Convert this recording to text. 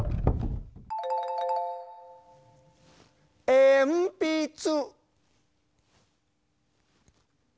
えんぴつ！